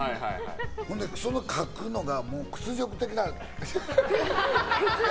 ほんでその書くのが屈辱的な。